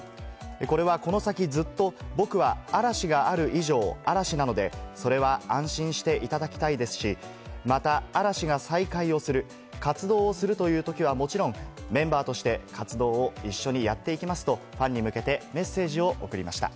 これは、この先ずっと僕は嵐がある以上、嵐なので、それは安心していただきたいですし、また嵐が再開をする、活動をするというときは、もちろんメンバーとして活動を一緒にやっていきますとファンに向けてメッセージを送りました。